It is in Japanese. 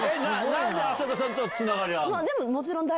何で浅田さんとはつながりがあるの？